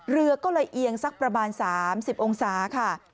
เรือก็เลยเอียงสักประมาณ๓๐องศาค่ะ